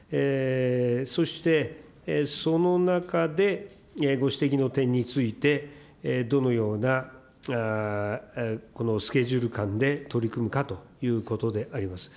そして、その中で、ご指摘の点について、どのようなスケジュール感で取り組むかということであります。